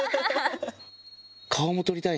顔も撮りたいな。